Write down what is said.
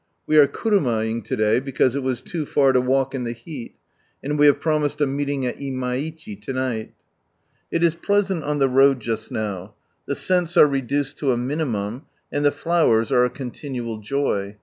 We are knmmaing t&dajr, because it was too Cir to wail: in the beat, xnd we have promised a meeiiog ai InKikhi to nigbt. It it pleasBBt 00 the road just now ; tbe scents are reduced to a minimum, and the fiowcn are a cootifUBl jaj.